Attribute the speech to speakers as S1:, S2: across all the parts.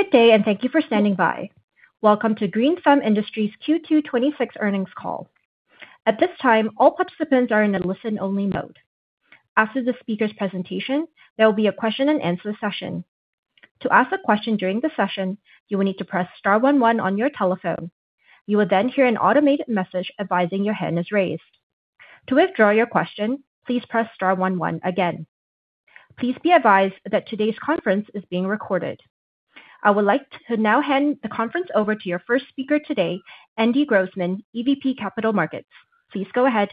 S1: Good day. Thank you for standing by. Welcome to Green Thumb Industries' Q2 2026 earnings call. At this time, all participants are in a listen-only mode. After the speaker's presentation, there will be a question and answer session. To ask a question during the session, you will need to press star one one on your telephone. You will then hear an automated message advising your hand is raised. To withdraw your question, please press star one one again. Please be advised that today's conference is being recorded. I would like to now hand the conference over to your first speaker today, Andy Grossman, EVP Capital Markets. Please go ahead.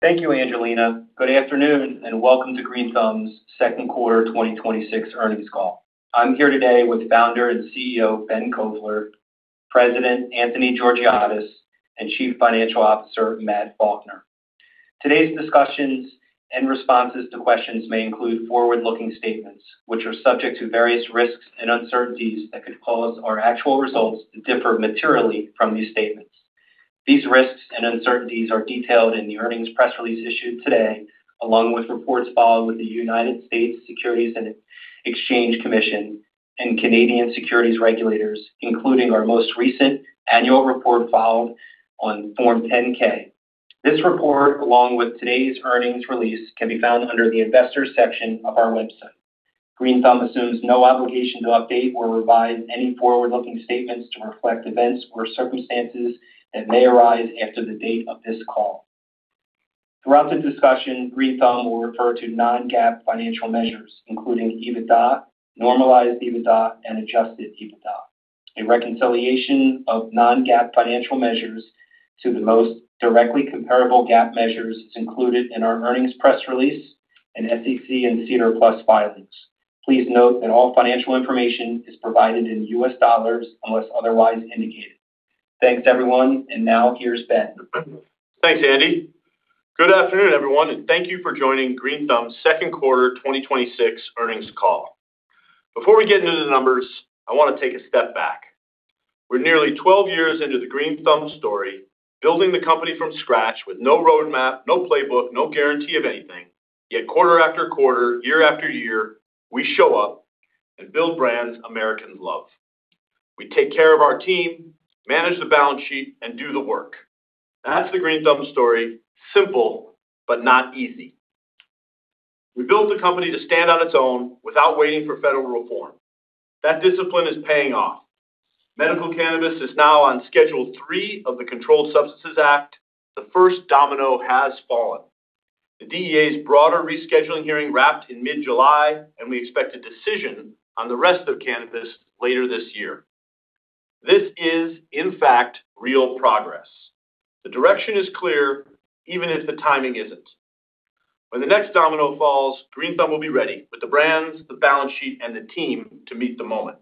S2: Thank you, Angelina. Good afternoon. Welcome to Green Thumb's second quarter 2026 earnings call. I'm here today with Founder and CEO, Ben Kovler, President Anthony Georgiadis, and Chief Financial Officer Matt Faulkner. Today's discussions and responses to questions may include forward-looking statements, which are subject to various risks and uncertainties that could cause our actual results to differ materially from these statements. These risks and uncertainties are detailed in the earnings press release issued today, along with reports filed with the U.S. Securities and Exchange Commission and Canadian securities regulators, including our most recent annual report filed on Form 10-K. This report, along with today's earnings release, can be found under the investors section of our website. Green Thumb assumes no obligation to update or revise any forward-looking statements to reflect events or circumstances that may arise after the date of this call. Throughout the discussion, Green Thumb will refer to non-GAAP financial measures, including EBITDA, normalized EBITDA, and adjusted EBITDA. A reconciliation of non-GAAP financial measures to the most directly comparable GAAP measures is included in our earnings press release and SEC and SEDAR+ filings. Please note that all financial information is provided in U.S. dollars unless otherwise indicated. Thanks, everyone. Now here's Ben.
S3: Thanks, Andy. Good afternoon, everyone. Thank you for joining Green Thumb's second quarter 2026 earnings call. Before we get into the numbers, I want to take a step back. We're nearly 12 years into the Green Thumb story, building the company from scratch with no roadmap, no playbook, no guarantee of anything, yet quarter-after-quarter, year-after-year, we show up and build brands Americans love. We take care of our team, manage the balance sheet, and do the work. That's the Green Thumb story. Simple but not easy. We built a company to stand on its own without waiting for federal reform. That discipline is paying off. Medical cannabis is now on Schedule III of the Controlled Substances Act. The first domino has fallen. The DEA's broader rescheduling hearing wrapped in mid-July. We expect a decision on the rest of cannabis later this year. This is, in fact, real progress. The direction is clear, even if the timing isn't. When the next domino falls, Green Thumb will be ready with the brands, the balance sheet, and the team to meet the moment.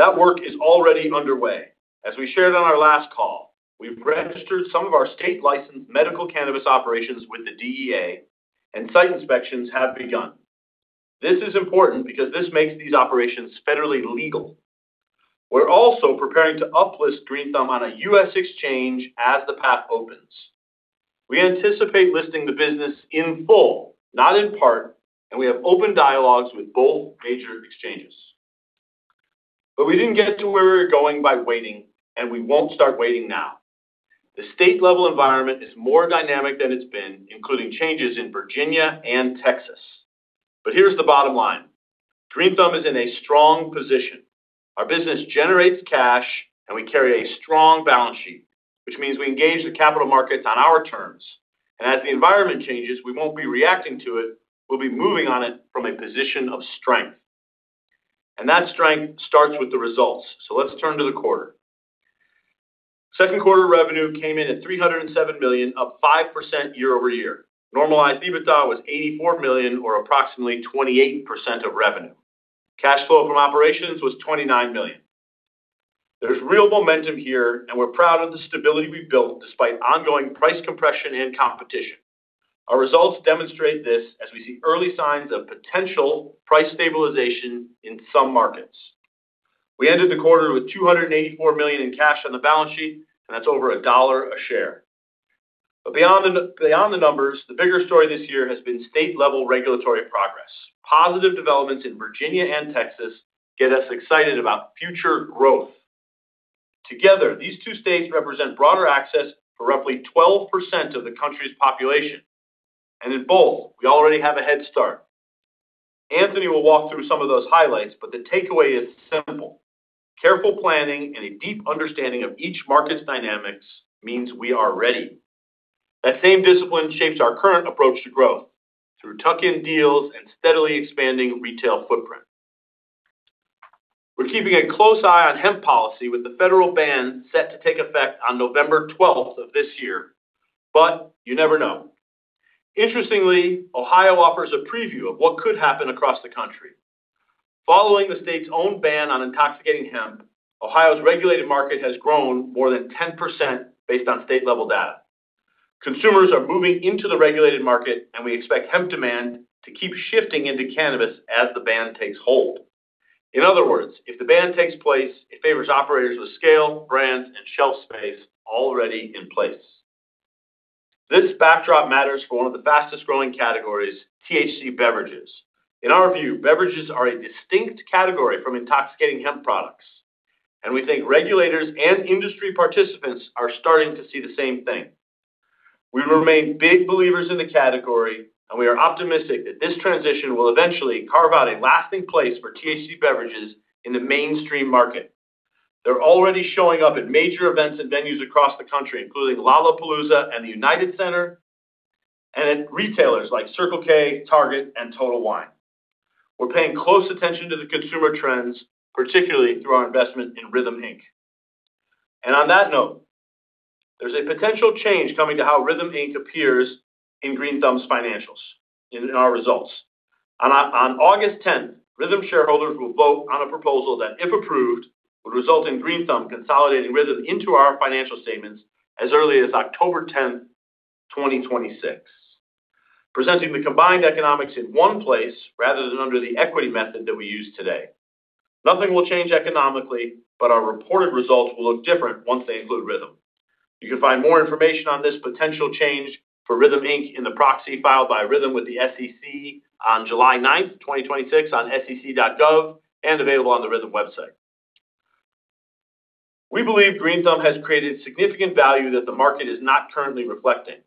S3: That work is already underway. As we shared on our last call, we've registered some of our state-licensed medical cannabis operations with the DEA, and site inspections have begun. This is important because this makes these operations federally legal. We're also preparing to uplist Green Thumb on a U.S. exchange as the path opens. We anticipate listing the business in full, not in part, and we have open dialogues with both major exchanges. We didn't get to where we were going by waiting, and we won't start waiting now. The state-level environment is more dynamic than it's been, including changes in Virginia and Texas. Here's the bottom line. Green Thumb is in a strong position. Our business generates cash, and we carry a strong balance sheet, which means we engage the capital markets on our terms. As the environment changes, we won't be reacting to it. We'll be moving on it from a position of strength. That strength starts with the results. Let's turn to the quarter. Second quarter revenue came in at $307 million, up 5% year-over-year. Normalized EBITDA was $84 million, or approximately 28% of revenue. Cash flow from operations was $29 million. There's real momentum here, and we're proud of the stability we've built despite ongoing price compression and competition. Our results demonstrate this as we see early signs of potential price stabilization in some markets. We ended the quarter with $284 million in cash on the balance sheet, and that's over $1 a share. Beyond the numbers, the bigger story this year has been state-level regulatory progress. Positive developments in Virginia and Texas get us excited about future growth. Together, these two states represent broader access for roughly 12% of the country's population. In both, we already have a head start. Anthony will walk through some of those highlights, but the takeaway is simple. Careful planning and a deep understanding of each market's dynamics means we are ready. That same discipline shapes our current approach to growth through tuck-in deals and steadily expanding retail footprint. We're keeping a close eye on hemp policy with the federal ban set to take effect on November 12th of this year, but you never know. Interestingly, Ohio offers a preview of what could happen across the country. Following the state's own ban on intoxicating hemp, Ohio's regulated market has grown more than 10% based on state-level data. Consumers are moving into the regulated market, we expect hemp demand to keep shifting into cannabis as the ban takes hold. In other words, if the ban takes place, it favors operators with scale, brands, and shelf space already in place. This backdrop matters for one of the fastest-growing categories, THC beverages. In our view, beverages are a distinct category from intoxicating hemp products, we think regulators and industry participants are starting to see the same thing. We remain big believers in the category, we are optimistic that this transition will eventually carve out a lasting place for THC beverages in the mainstream market. They're already showing up at major events and venues across the country, including Lollapalooza and the United Center, and at retailers like Circle K, Target, and Total Wine. We're paying close attention to the consumer trends, particularly through our investment in RYTHM, Inc. On that note, there's a potential change coming to how RYTHM, Inc. appears in Green Thumb's financials in our results. On August 10th, RYTHM shareholders will vote on a proposal that, if approved, would result in Green Thumb consolidating RYTHM into our financial statements as early as October 10th, 2026, presenting the combined economics in one place rather than under the equity method that we use today. Nothing will change economically, but our reported results will look different once they include RYTHM. You can find more information on this potential change for RYTHM, Inc. in the proxy filed by RYTHM with the SEC on July ninth, 2026 on sec.gov and available on the RYTHM website. We believe Green Thumb has created significant value that the market is not currently reflecting.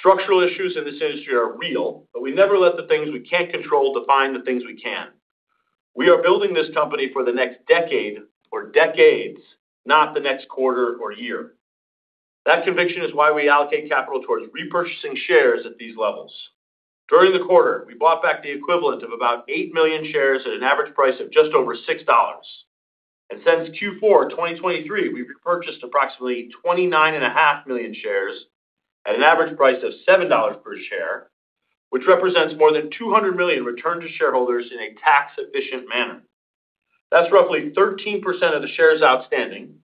S3: Structural issues in this industry are real, but we never let the things we can't control define the things we can. We are building this company for the next decade or decades, not the next quarter or year. That conviction is why we allocate capital towards repurchasing shares at these levels. During the quarter, we bought back the equivalent of about eight million shares at an average price of just over $6. Since Q4 2023, we've repurchased approximately 29.5 million shares at an average price of $7 per share, which represents more than $200 million returned to shareholders in a tax-efficient manner. That's roughly 13% of the shares outstanding.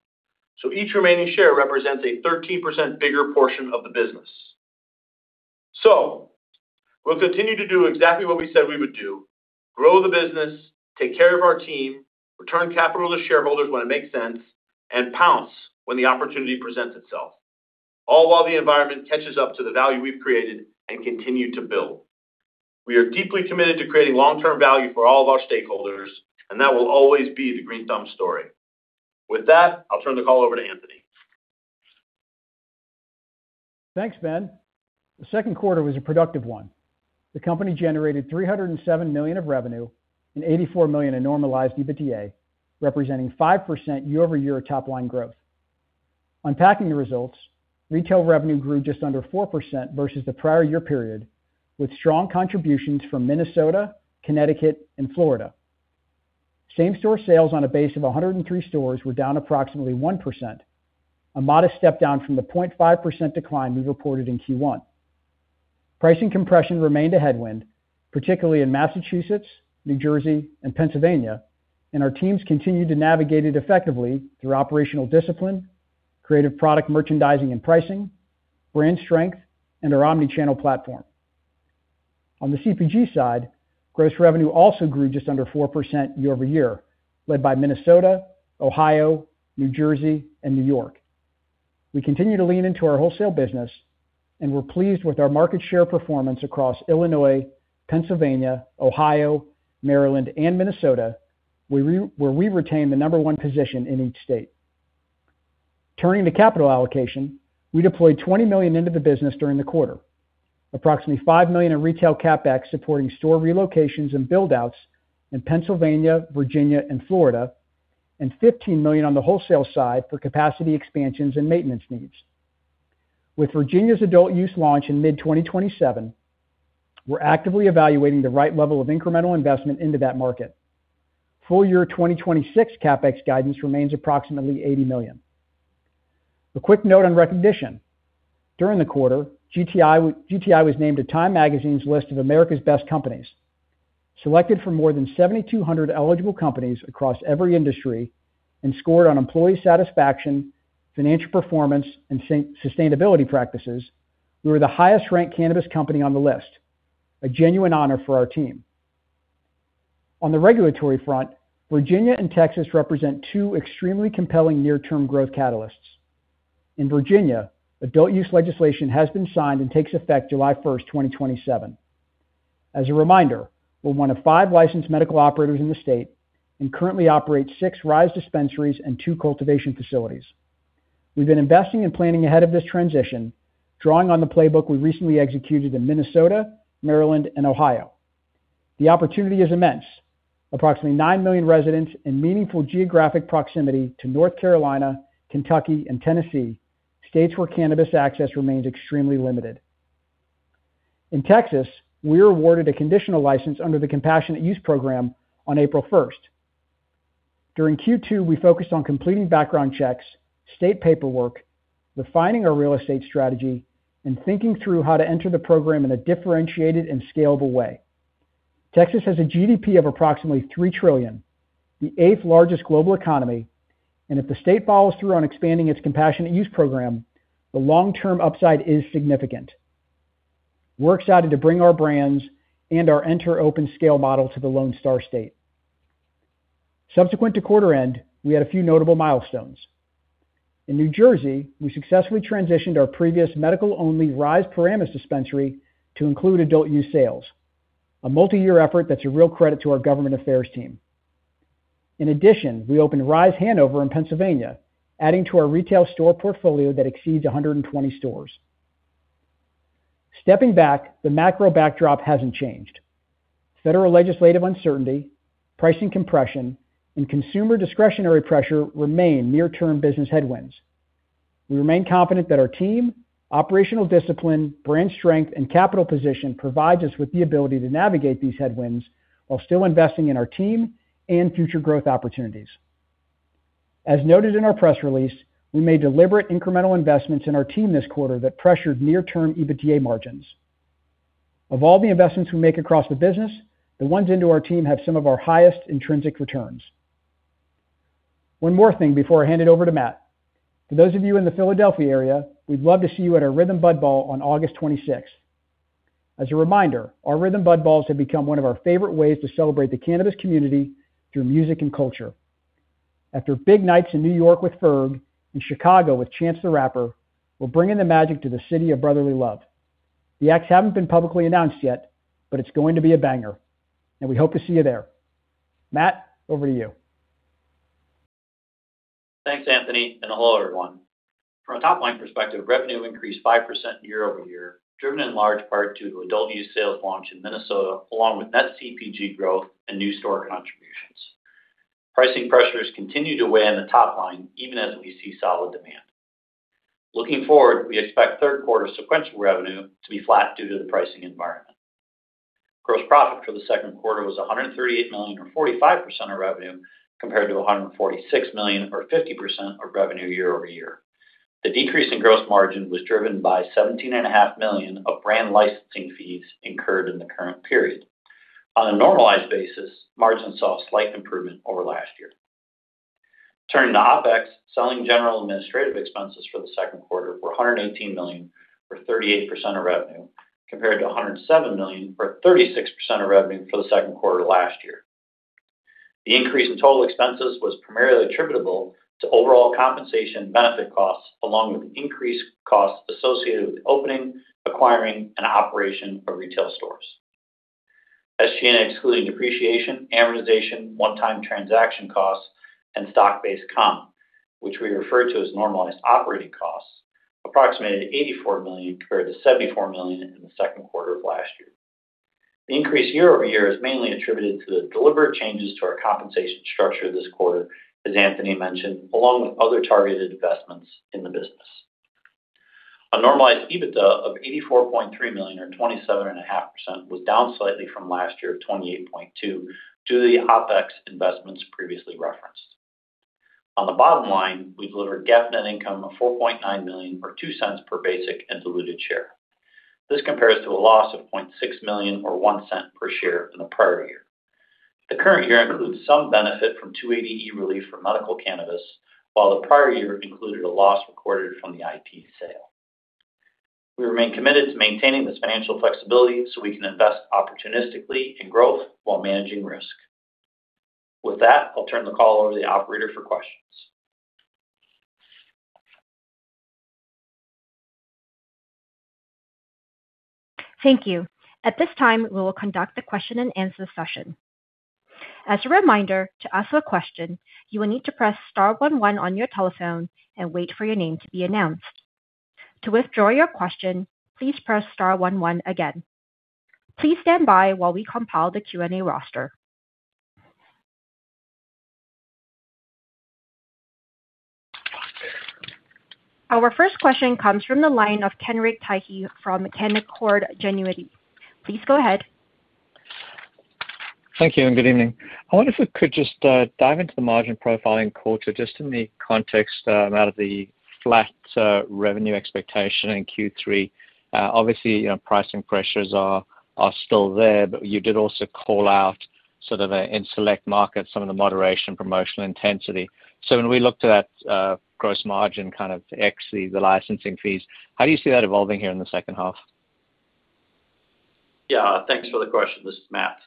S3: Each remaining share represents a 13% bigger portion of the business. We'll continue to do exactly what we said we would do, grow the business, take care of our team, return capital to shareholders when it makes sense, and pounce when the opportunity presents itself. All while the environment catches up to the value we've created and continue to build. We are deeply committed to creating long-term value for all of our stakeholders, and that will always be the Green Thumb story. With that, I'll turn the call over to Anthony.
S4: Thanks, Ben. The second quarter was a productive one. The company generated $307 million of revenue and $84 million in normalized EBITDA, representing 5% year-over-year top-line growth. Unpacking the results, retail revenue grew just under 4% versus the prior year period, with strong contributions from Minnesota, Connecticut and Florida. Same-store sales on a base of 103 stores were down approximately 1%, a modest step down from the 0.5% decline we reported in Q1. Pricing compression remained a headwind, particularly in Massachusetts, New Jersey, and Pennsylvania, and our teams continued to navigate it effectively through operational discipline, creative product merchandising and pricing, brand strength, and our omni-channel platform. On the CPG side, gross revenue also grew just under 4% year-over-year, led by Minnesota, Ohio, New Jersey, and New York. We continue to lean into our wholesale business, and we're pleased with our market share performance across Illinois, Pennsylvania, Ohio, Maryland, and Minnesota, where we retain the number one position in each state. Turning to capital allocation, we deployed $20 million into the business during the quarter, approximately $5 million in retail CapEx supporting store relocations and build-outs in Pennsylvania, Virginia, and Florida, and $15 million on the wholesale side for capacity expansions and maintenance needs. With Virginia's adult use launch in mid-2027, we're actively evaluating the right level of incremental investment into that market. Full year 2026 CapEx guidance remains approximately $80 million. A quick note on recognition. During the quarter, GTI was named a TIME magazine's list of America's Best Companies. Selected from more than 7,200 eligible companies across every industry and scored on employee satisfaction, financial performance, and sustainability practices, we were the highest-ranked cannabis company on the list. A genuine honor for our team. On the regulatory front, Virginia and Texas represent two extremely compelling near-term growth catalysts. In Virginia, adult use legislation has been signed and takes effect July first, 2027. As a reminder, we're one of five licensed medical operators in the state and currently operate six RISE dispensaries and two cultivation facilities. We've been investing and planning ahead of this transition, drawing on the playbook we recently executed in Minnesota, Maryland, and Ohio. The opportunity is immense. Approximately nine million residents in meaningful geographic proximity to North Carolina, Kentucky, and Tennessee, states where cannabis access remains extremely limited. In Texas, we were awarded a conditional license under the Compassionate Use Program on April 1st. During Q2, we focused on completing background checks, state paperwork, refining our real estate strategy, and thinking through how to enter the program in a differentiated and scalable way. Texas has a GDP of approximately $3 trillion, the eighth largest global economy, and if the state follows through on expanding its Compassionate Use Program, the long-term upside is significant. We're excited to bring our brands and our enterprise-scale model to the Lone Star State. Subsequent to quarter end, we had a few notable milestones. In New Jersey, we successfully transitioned our previous medical-only RISE Paramus dispensary to include adult-use sales, a multi-year effort that's a real credit to our government affairs team. In addition, we opened RISE Hanover in Pennsylvania, adding to our retail store portfolio that exceeds 120 stores. Stepping back, the macro backdrop hasn't changed. Federal legislative uncertainty, pricing compression, and consumer discretionary pressure remain near-term business headwinds. We remain confident that our team, operational discipline, brand strength, and capital position provides us with the ability to navigate these headwinds while still investing in our team and future growth opportunities. As noted in our press release, we made deliberate incremental investments in our team this quarter that pressured near-term EBITDA margins. Of all the investments we make across the business, the ones into our team have some of our highest intrinsic returns. One more thing before I hand it over to Matt. For those of you in the Philadelphia area, we'd love to see you at our RYTHM Bud Ball on August 26th. As a reminder, our RYTHM Bud Balls have become one of our favorite ways to celebrate the cannabis community through music and culture. After big nights in New York with Ferg, in Chicago with Chance the Rapper, we are bringing the magic to the city of brotherly love. The acts haven't been publicly announced yet, but it's going to be a banger, and we hope to see you there. Matt, over to you.
S5: Thanks, Anthony, and hello, everyone. From a top-line perspective, revenue increased 5% year-over-year, driven in large part to the adult use sales launch in Minnesota, along with net CPG growth and new store contributions. Pricing pressures continue to weigh on the top line even as we see solid demand. Looking forward, we expect third quarter sequential revenue to be flat due to the pricing environment. Gross profit for the second quarter was $138 million, or 45% of revenue, compared to $146 million, or 50% of revenue year-over-year. The decrease in gross margin was driven by $17.5 million of brand licensing fees incurred in the current period. On a normalized basis, margin saw a slight improvement over last year. Turning to OpEx, Selling, General, and Administrative expenses for the second quarter were $118 million, or 38% of revenue, compared to $107 million, or 36% of revenue for the second quarter last year. The increase in total expenses was primarily attributable to overall compensation benefit costs, along with increased costs associated with opening, acquiring, and operation of retail stores. As seen excluding depreciation, amortization, one-time transaction costs, and stock-based comp, which we refer to as normalized operating costs, approximated $84 million compared to $74 million in the second quarter of last year. The increase year-over-year is mainly attributed to the deliberate changes to our compensation structure this quarter, as Anthony mentioned, along with other targeted investments in the business. A normalized EBITDA of $84.3 million or 27.5% was down slightly from last year of 28.2% to the OpEx investments previously referenced. On the bottom line, we delivered GAAP net income of $4.9 million, or $0.02 per basic and diluted share. This compares to a loss of $0.6 million, or $0.01 per share in the prior year. The current year includes some benefit from 280E relief for medical cannabis, while the prior year included a loss recorded from the IP sale. We remain committed to maintaining this financial flexibility so we can invest opportunistically in growth while managing risk. With that, I'll turn the call over to the operator for questions.
S1: Thank you. At this time, we will conduct the question and answer session. As a reminder, to ask a question, you will need to press star one one on your telephone and wait for your name to be announced. To withdraw your question, please press star one one again. Please stand by while we compile the Q&A roster. Our first question comes from the line of Kenric Tyghe from Canaccord Genuity. Please go ahead.
S6: Thank you, good evening. I wonder if we could just dive into the margin profile in quarter just in the context out of the flat revenue expectation in Q3. Obviously, pricing pressures are still there. You did also call out in select markets some of the moderation promotional intensity. When we look to that gross margin ex the licensing fees, how do you see that evolving here in the second half?
S5: Yeah, thanks for the question. This is Matt.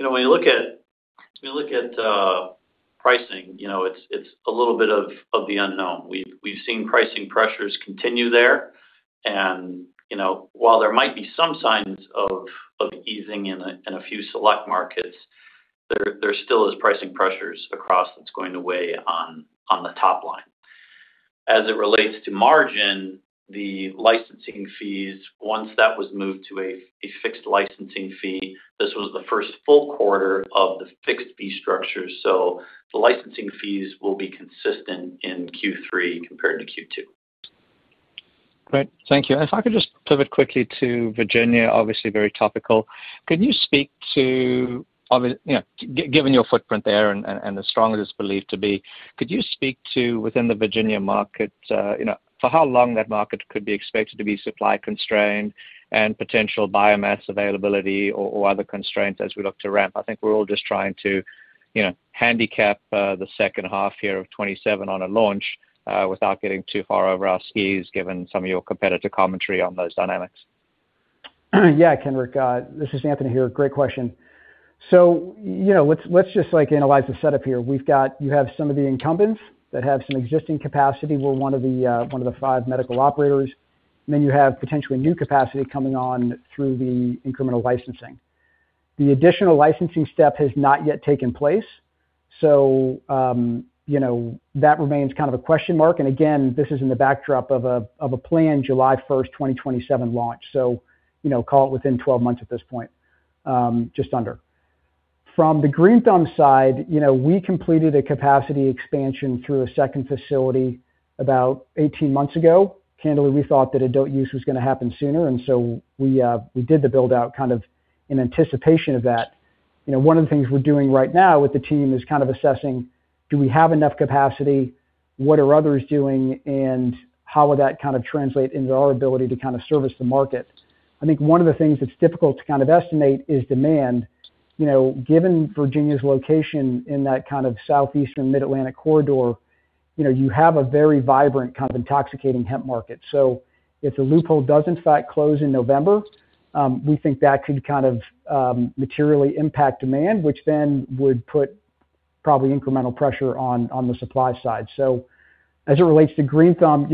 S5: When you look at pricing, it's a little bit of the unknown. We've seen pricing pressures continue there. While there might be some signs of easing in a few select markets, there still is pricing pressures across that's going to weigh on the top line. As it relates to margin, the licensing fees, once that was moved to a fixed licensing fee, this was the first full quarter of the fixed fee structure. The licensing fees will be consistent in Q3 compared to Q2.
S6: Great. Thank you. If I could just pivot quickly to Virginia, obviously very topical. Given your footprint there and as strong as it's believed to be, could you speak to within the Virginia market, for how long that market could be expected to be supply-constrained and potential biomass availability or other constraints as we look to ramp? I think we're all just trying to handicap the second half here of 2027 on a launch without getting too far over our skis, given some of your competitor commentary on those dynamics.
S4: Kenric. This is Anthony here. Great question. Let's just analyze the setup here. You have some of the incumbents that have some existing capacity with one of the five medical operators, and then you have potentially new capacity coming on through the incremental licensing. The additional licensing step has not yet taken place. That remains kind of a question mark, and again, this is in the backdrop of a planned July first, 2027 launch. Call it within 12 months at this point, just under. From the Green Thumb side, we completed a capacity expansion through a second facility about 18 months ago. Candidly, we thought that adult use was going to happen sooner, and so we did the build-out kind of in anticipation of that. One of the things we're doing right now with the team is kind of assessing, do we have enough capacity? What are others doing, how would that translate into our ability to service the market? I think one of the things that's difficult to estimate is demand. Given Virginia's location in that kind of southeastern Mid-Atlantic corridor, you have a very vibrant kind of intoxicating hemp market. If the loophole does in fact close in November, we think that could materially impact demand, which would put probably incremental pressure on the supply side. As it relates to Green Thumb,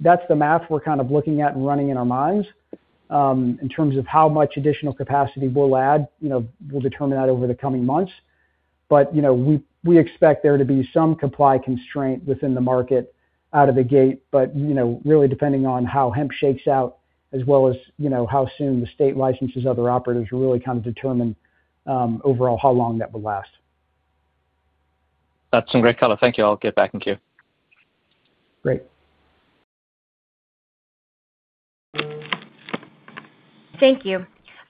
S4: that's the math we're kind of looking at and running in our minds. In terms of how much additional capacity we'll add, we'll determine that over the coming months. We expect there to be some supply constraint within the market out of the gate. Really depending on how hemp shakes out as well as how soon the state licenses other operators will really determine overall how long that will last.
S6: That's some great color. Thank you. I'll get back in queue.
S4: Great.
S1: Thank you.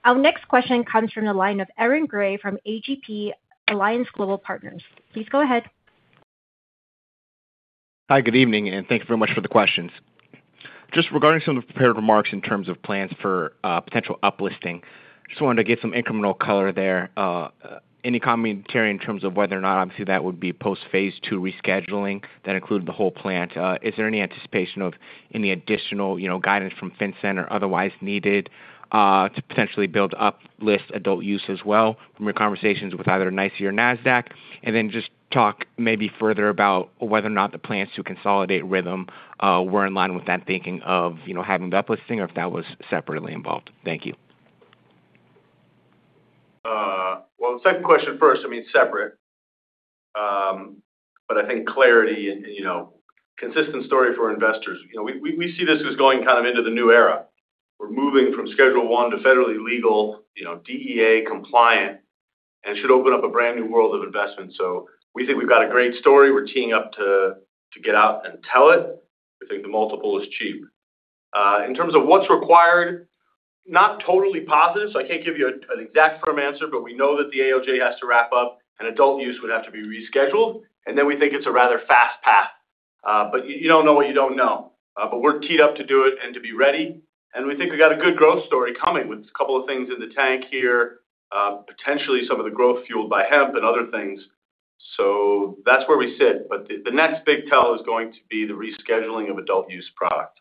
S1: Our next question comes from the line of Aaron Grey from AGP Alliance Global Partners. Please go ahead.
S7: Hi, good evening, thank you very much for the questions. Just regarding some of the prepared remarks in terms of plans for potential up-listing. Just wanted to get some incremental color there. Any commentary in terms of whether or not obviously that would be post phase II rescheduling that included the whole plant. Is there any anticipation of any additional guidance from FinCEN or otherwise needed, to potentially build up list adult use as well from your conversations with either NYSE or Nasdaq? Just talk maybe further about whether or not the plans to consolidate RYTHM were in line with that thinking of having the up-listing or if that was separately involved. Thank you.
S3: Well, the second question first, I mean, separate. I think clarity and consistent story for investors. We see this as going kind of into the new era. We're moving from Schedule I to federally legal, DEA compliant, should open up a brand-new world of investment. We think we've got a great story. We're teeing up to get out and tell it. We think the multiple is cheap. In terms of what's required, not totally positive, so I can't give you an exact firm answer, but we know that the DOJ has to wrap up and adult use would have to be rescheduled. We think it's a rather fast path. You don't know what you don't know. We're teed up to do it and to be ready, we think we've got a good growth story coming with a couple of things in the tank here. Potentially some of the growth fueled by hemp and other things. That's where we sit, the next big tell is going to be the rescheduling of adult use product.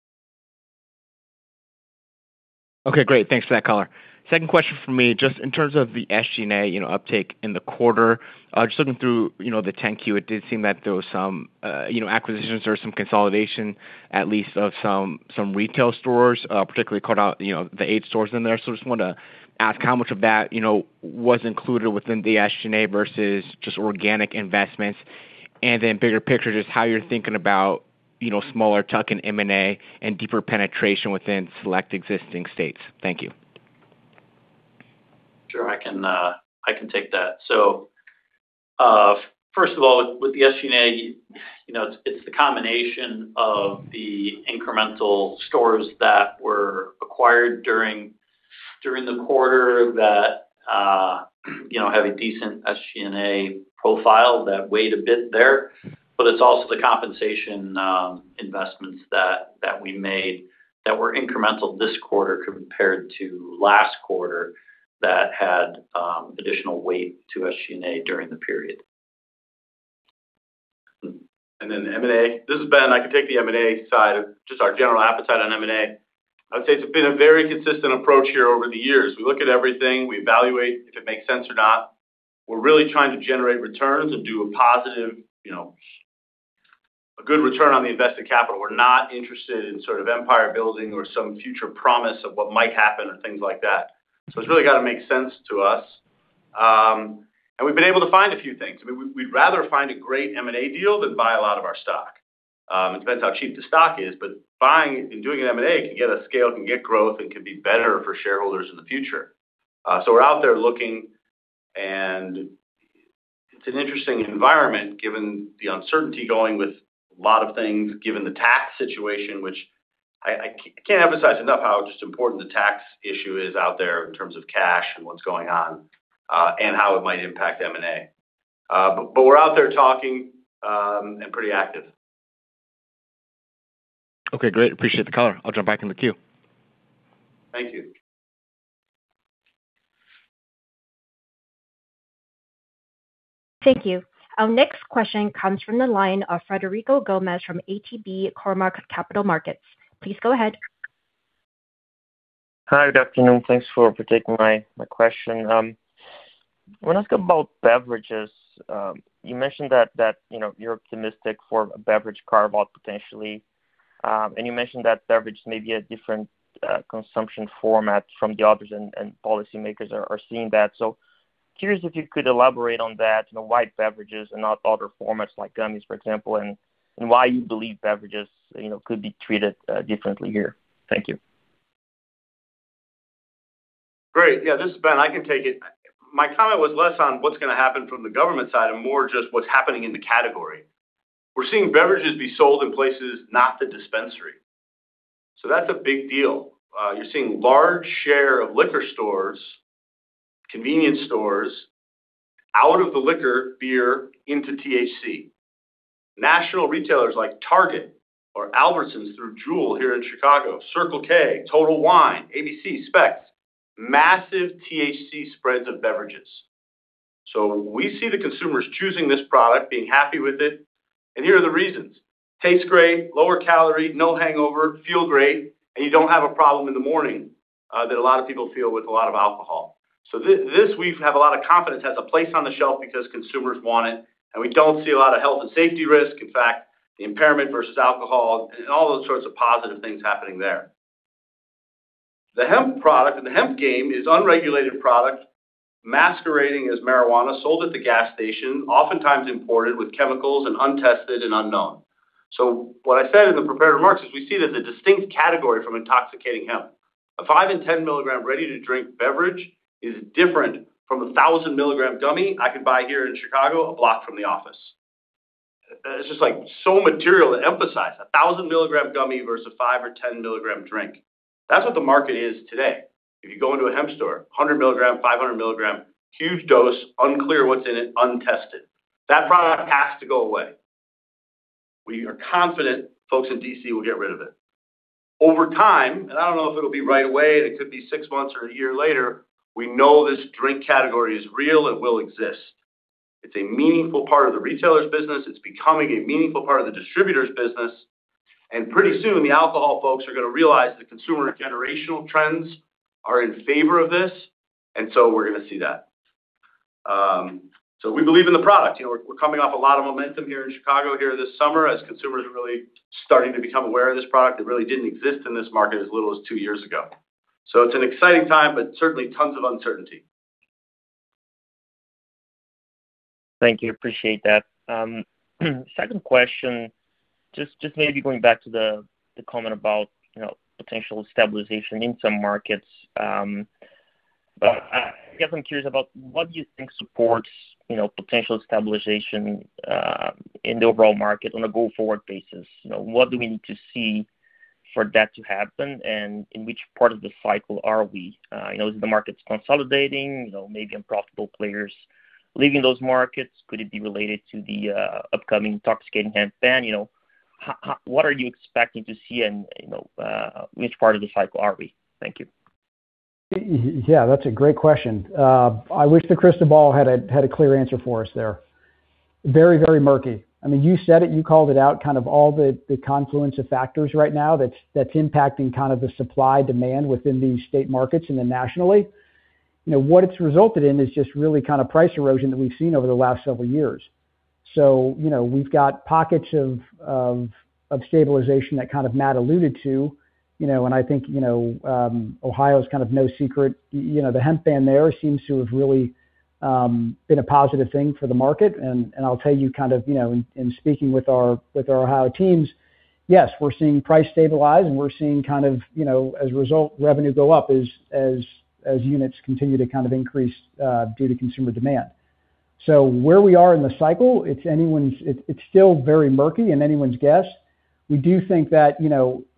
S7: Okay, great. Thanks for that color. Second question from me, just in terms of the SG&A uptake in the quarter. Looking through the 10-Q, it did seem that there was some acquisitions or some consolidation, at least of some retail stores, particularly called out the eight stores in there. Just wanted to ask how much of that was included within the SG&A versus just organic investments, and then bigger picture, just how you're thinking about smaller tuck-in M&A and deeper penetration within select existing states. Thank you.
S5: Sure. I can take that. First of all, with the SG&A, it's the combination of the incremental stores that were acquired during the quarter that have a decent SG&A profile that weighed a bit there. It's also the compensation investments that we made that were incremental this quarter compared to last quarter that had additional weight to SG&A during the period.
S3: M&A. This is Ben. I can take the M&A side of just our general appetite on M&A. I'd say it's been a very consistent approach here over the years. We look at everything, we evaluate if it makes sense or not. We're really trying to generate returns and do a positive, a good return on the invested capital. We're not interested in sort of empire-building or some future promise of what might happen and things like that. It's really got to make sense to us. We've been able to find a few things. We'd rather find a great M&A deal than buy a lot of our stock. It depends how cheap the stock is, buying and doing an M&A can get us scale, can get growth, and can be better for shareholders in the future. We're out there looking, and it's an interesting environment given the uncertainty going with a lot of things, given the tax situation, which I can't emphasize enough how just important the tax issue is out there in terms of cash and what's going on, and how it might impact M&A. We're out there talking, and pretty active.
S7: Okay, great. Appreciate the color. I'll jump back in the queue.
S3: Thank you.
S1: Thank you. Our next question comes from the line of Frederico Gomes from ATB Cormark Capital Markets. Please go ahead.
S8: Hi. Good afternoon. Thanks for taking my question. When asked about beverages, you mentioned that you're optimistic for a beverage carve-out, potentially, and you mentioned that beverage may be a different consumption format from the others, and policymakers are seeing that. Curious if you could elaborate on that, why beverages and not other formats like gummies, for example, and why you believe beverages could be treated differently here. Thank you.
S3: Great. Yeah, this is Ben, I can take it. My comment was less on what's going to happen from the government side and more just what's happening in the category. We're seeing beverages be sold in places, not the dispensary. That's a big deal. You're seeing large share of liquor stores, convenience stores, out of the liquor, beer into THC. National retailers like Target or Albertsons through Jewel here in Chicago, Circle K, Total Wine, ABC, Spec's, massive THC spreads of beverages. We see the consumers choosing this product, being happy with it, and here are the reasons. Tastes great, lower calorie, no hangover, feel great, and you don't have a problem in the morning, that a lot of people feel with a lot of alcohol. This we have a lot of confidence has a place on the shelf because consumers want it, and we don't see a lot of health and safety risk. In fact, the impairment versus alcohol and all those sorts of positive things happening there. The hemp product and the hemp game is unregulated product masquerading as marijuana sold at the gas station, oftentimes imported with chemicals and untested and unknown. What I said in the prepared remarks is we see it as a distinct category from intoxicating hemp. A five and 10-milligram ready-to-drink beverage is different from 1,000-milligram gummy I could buy here in Chicago, a block from the office. It's just so material to emphasize 1,000-milligram gummy versus five or 10-milligram drink. That's what the market is today. If you go into a hemp store, 100 milligram, 500 milligram, huge dose, unclear what's in it, untested. That product has to go away. We are confident folks in D.C. will get rid of it. Over time, and I don't know if it'll be right away, and it could be six months or a year later, we know this drink category is real and will exist. It's a meaningful part of the retailer's business. It's becoming a meaningful part of the distributor's business, and pretty soon the alcohol folks are going to realize the consumer generational trends are in favor of this, and we're going to see that. We believe in the product. We're coming off a lot of momentum here in Chicago here this summer as consumers are really starting to become aware of this product. It really didn't exist in this market as little as two years ago. It's an exciting time, but certainly tons of uncertainty.
S8: Thank you. Appreciate that. Second question, just maybe going back to the comment about potential stabilization in some markets. I guess I'm curious about what do you think supports potential stabilization in the overall market on a go-forward basis? What do we need to see for that to happen, and in which part of the cycle are we? Is the markets consolidating, maybe unprofitable players leaving those markets? Could it be related to the upcoming intoxicating hemp ban? What are you expecting to see and which part of the cycle are we? Thank you.
S4: Yeah, that's a great question. I wish the crystal ball had a clear answer for us there. Very murky. You said it, you called it out, all the confluence of factors right now that's impacting the supply-demand within these state markets and then nationally. What it's resulted in is just really price erosion that we've seen over the last several years. We've got pockets of stabilization that Matt alluded to, and I think Ohio's no secret. The hemp ban there seems to have really been a positive thing for the market. I'll tell you in speaking with our Ohio teams, yes, we're seeing price stabilize, and we're seeing as a result, revenue go up as units continue to increase due to consumer demand. Where we are in the cycle, it's still very murky and anyone's guess. We do think that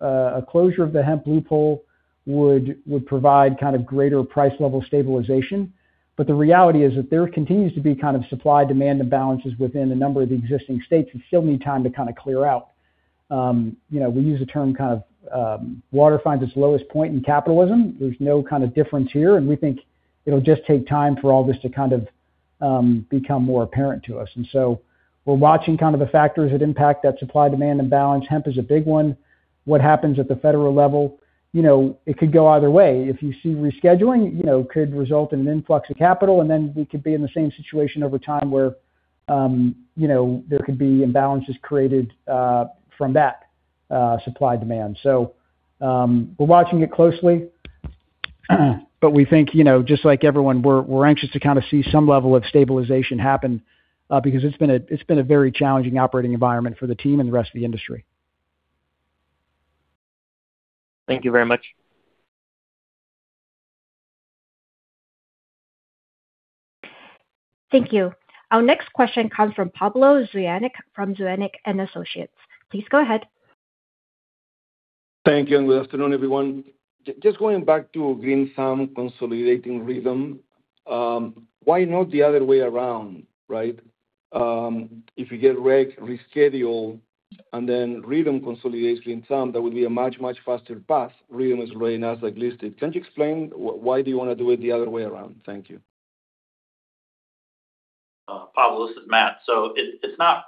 S4: a closure of the hemp loophole would provide greater price level stabilization. The reality is that there continues to be supply-demand imbalances within a number of the existing states that still need time to clear out. We use the term, water finds its lowest point in capitalism. There's no difference here. We think it'll just take time for all this to become more apparent to us. We're watching the factors that impact that supply-demand imbalance. Hemp is a big one. What happens at the federal level? It could go either way. If you see rescheduling, could result in an influx of capital. We could be in the same situation over time where there could be imbalances created from that supply-demand. We're watching it closely. We think, just like everyone, we're anxious to see some level of stabilization happen, because it's been a very challenging operating environment for the team and the rest of the industry.
S8: Thank you very much.
S1: Thank you. Our next question comes from Pablo Zuanic from Zuanic & Associates. Please go ahead.
S9: Thank you. Good afternoon, everyone. Just going back to Green Thumb consolidating RYTHM. Why not the other way around, right? If you get rec rescheduled. Then RYTHM consolidates Green Thumb, that would be a much, much faster path. RYTHM is very Nasdaq listed. Can you explain why do you want to do it the other way around? Thank you.
S5: Pablo, this is Matt. It's not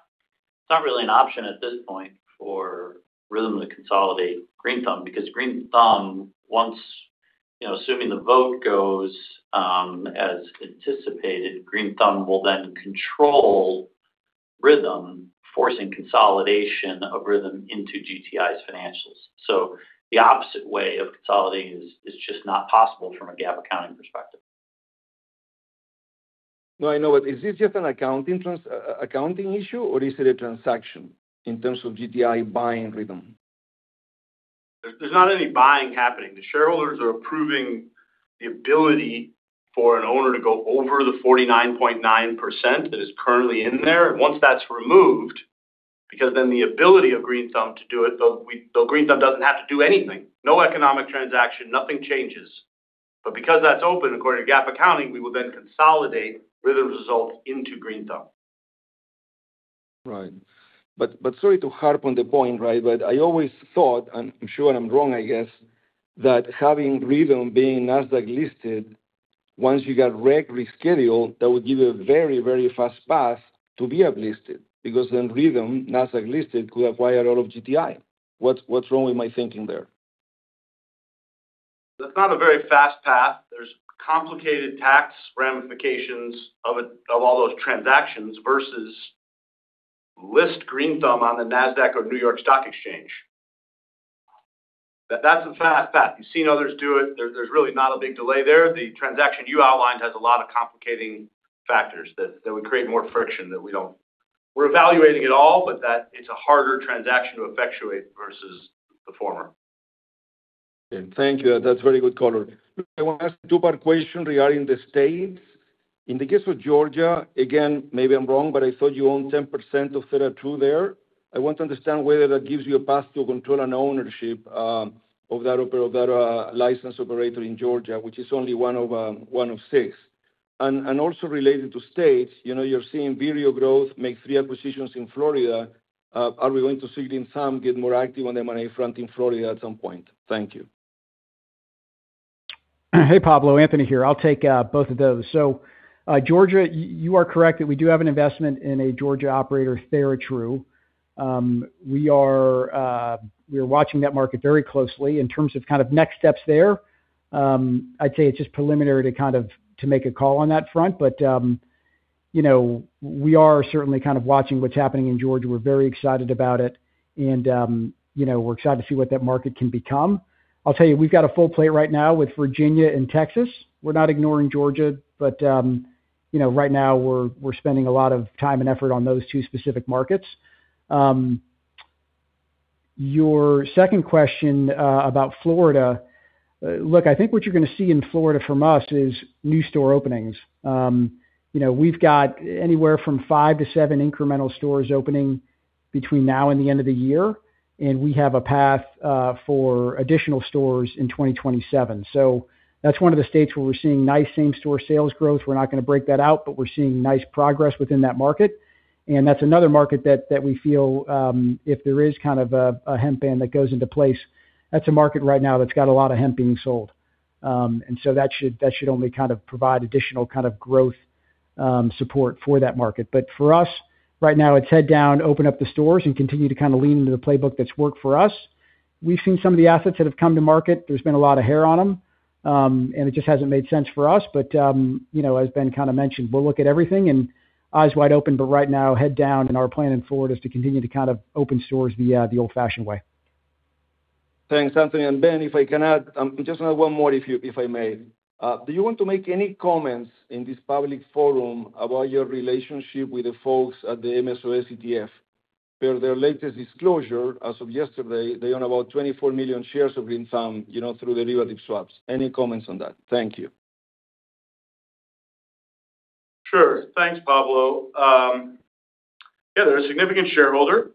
S5: really an option at this point for RYTHM to consolidate Green Thumb because Green Thumb, assuming the vote goes as anticipated, Green Thumb will then control RYTHM, forcing consolidation of RYTHM into GTI's financials. The opposite way of consolidating is just not possible from a GAAP accounting perspective.
S9: No, I know. Is this just an accounting issue, or is it a transaction in terms of GTI buying RYTHM?
S5: There's not any buying happening. The shareholders are approving the ability for an owner to go over the 49.9% that is currently in there. Once that's removed, because then the ability of Green Thumb to do it, though Green Thumb doesn't have to do anything. No economic transaction, nothing changes. Because that's open, according to GAAP accounting, we will then consolidate RYTHM results into Green Thumb.
S9: Right. Sorry to harp on the point. I always thought, and I'm sure I'm wrong, I guess, that having RYTHM being NASDAQ listed, once you got reg-reschedule, that would give you a very, very fast path to be uplisted, because then RYTHM, NASDAQ listed, could acquire all of GTI. What's wrong with my thinking there?
S3: That's not a very fast path. There's complicated tax ramifications of all those transactions versus list Green Thumb on the NASDAQ or New York Stock Exchange. That's a fast path. You've seen others do it. There's really not a big delay there. The transaction you outlined has a lot of complicating factors that would create more friction that we don't. We're evaluating it all, but that it's a harder transaction to effectuate versus the former.
S9: Okay. Thank you. That's very good color. I want to ask a two-part question regarding the states. In the case of Georgia, again, maybe I'm wrong, but I thought you own 10% of TheraTrue there. I want to understand whether that gives you a path to control an ownership of that licensed operator in Georgia, which is only one of six. Also related to states, you're seeing Vireo Growth make three acquisitions in Florida. Are we going to see Green Thumb get more active on the M&A front in Florida at some point? Thank you.
S4: Pablo, Anthony here. I'll take both of those. Georgia, you are correct that we do have an investment in a Georgia operator, TheraTrue. We are watching that market very closely in terms of next steps there. I'd say it's just preliminary to make a call on that front. We are certainly watching what's happening in Georgia. We're very excited about it. We're excited to see what that market can become. I'll tell you, we've got a full plate right now with Virginia and Texas. We're not ignoring Georgia, right now we're spending a lot of time and effort on those two specific markets. Your second question about Florida. I think what you're going to see in Florida from us is new store openings. We've got anywhere from five to seven incremental stores opening between now and the end of the year, and we have a path for additional stores in 2027. That's one of the states where we're seeing nice same-store sales growth. We're not going to break that out, we're seeing nice progress within that market. That's another market that we feel, if there is a hemp ban that goes into place, that's a market right now that's got a lot of hemp being sold. That should only provide additional growth support for that market. For us right now, it's head down, open up the stores, and continue to lean into the playbook that's worked for us. We've seen some of the assets that have come to market. There's been a lot of hair on them. It just hasn't made sense for us. As Ben kind of mentioned, we'll look at everything and eyes wide open. Right now, head down, our plan in Florida is to continue to open stores the old-fashioned way.
S9: Thanks, Anthony. Ben, if I can add just one more, if I may. Do you want to make any comments in this public forum about your relationship with the folks at the MSOS ETF? Per their latest disclosure as of yesterday, they own about 24 million shares of Green Thumb through derivative swaps. Any comments on that? Thank you.
S3: Thanks, Pablo. They're a significant shareholder.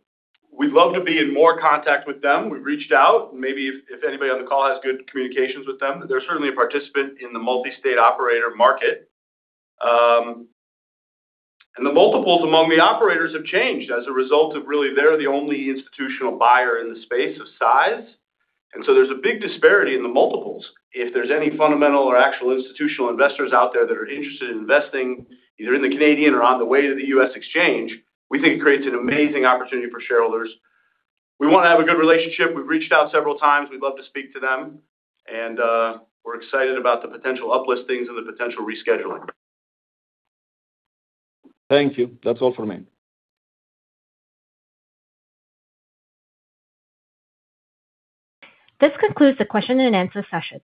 S3: We'd love to be in more contact with them. We've reached out. Maybe if anybody on the call has good communications with them. They're certainly a participant in the multi-state operator market. The multiples among the operators have changed as a result of really, they're the only institutional buyer in the space of size. There's a big disparity in the multiples. If there's any fundamental or actual institutional investors out there that are interested in investing, either in the Canadian or on the way to the U.S. exchange, we think it creates an amazing opportunity for shareholders. We want to have a good relationship. We've reached out several times. We'd love to speak to them. We're excited about the potential uplistings and the potential rescheduling.
S9: Thank you. That's all for me.
S1: This concludes the question and answer session.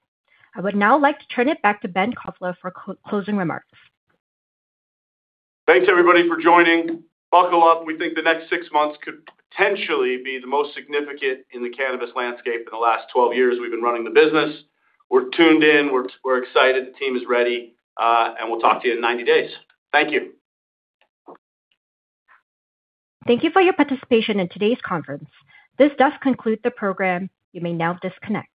S1: I would now like to turn it back to Ben Kovler for closing remarks.
S3: Thanks everybody for joining. Buckle up. We think the next six months could potentially be the most significant in the cannabis landscape in the last 12 years we've been running the business. We're tuned in. We're excited. The team is ready. We'll talk to you in 90 days. Thank you.
S1: Thank you for your participation in today's conference. This does conclude the program. You may now disconnect.